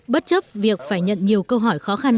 bất chấp việc phải nhận nhiều câu hỏi khó khăn